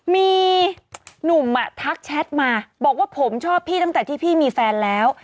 มีหนุ่มทักแชทมาบอกว่าผมชอบพี่ตั้งแต่ที่พี่มีแฟนแล้ว